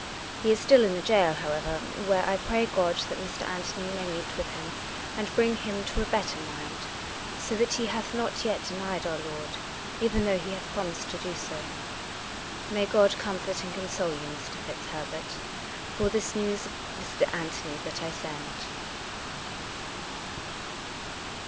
He is still in the gaol, however, where I pray God that Mr. Anthony may meet with him and bring him to a better mind; so that he hath not yet denied our Lord, even though he hath promised to do so. " May God comfort and console you, Mr. FitzHerbert, for this news of Mr. Anthony that 1 send."